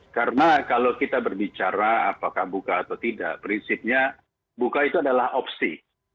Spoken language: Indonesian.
karena kalau kita berbicara apakah buka atau tidak prinsipnya buka itu adalah opsi